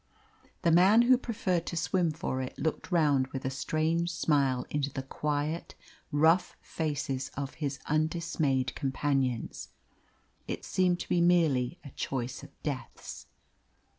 The man who preferred to swim for it looked round with a strange smile into the quiet, rough faces of his undismayed companions. It seemed to be merely a choice of deaths.